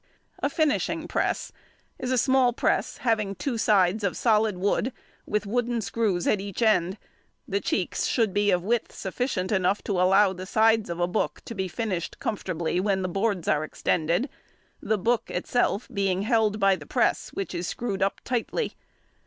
A finishing press is a small press, having two sides of solid wood with wooden screws at each end, the cheeks should be of width enough to allow the sides of a book to be finished comfortably when the boards are extended, the book itself being held by the press which is screwed up tightly.